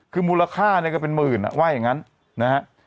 คือมูลค่าเนี่ยก็เป็นหมื่นว่าอย่างนั้นนะฮะ